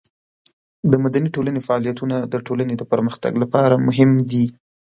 د مدني ټولنې فعالیتونه د ټولنې د پرمختګ لپاره مهم دي.